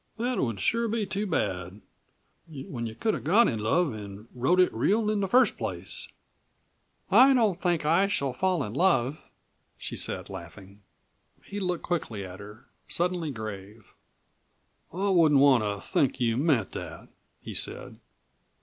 That would sure be too bad, when you could have got in love an' wrote it real in the first place." "I don't think that I shall fall in love," she said laughing. He looked quickly at her, suddenly grave. "I wouldn't want to think you meant that," he said.